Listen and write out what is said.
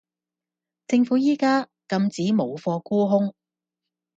政府依家禁止冇貨沽空